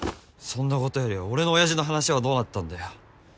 そんなことより俺の親父の話はどうなったんだよ。